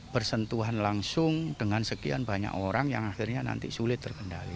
bersentuhan langsung dengan sekian banyak orang yang akhirnya nanti sulit terkendali